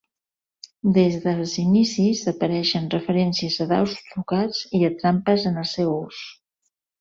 Des dels inicis apareixen referències a daus trucats i a trampes en el seu ús.